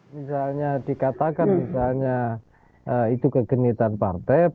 misalnya dikatakan misalnya itu kegenitan partai